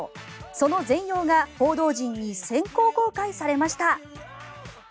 その全容が報道陣に先行公開されました。